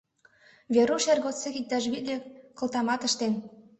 Веруш эр годсек иктаж витле кылтамат ыштен.